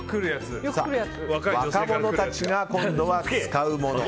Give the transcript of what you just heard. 若者たちが今度は使うもの。